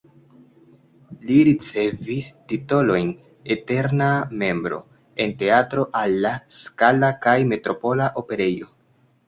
Li ricevis titolojn "eterna membro" en Teatro alla Scala kaj Metropola Operejo.